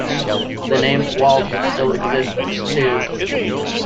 The name "Wald" still exists, too.